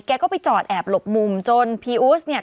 ก็ไปจอดแอบหลบมุมจนพีอูสเนี่ย